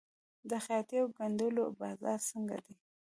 د خیاطۍ او ګنډلو بازار څنګه دی؟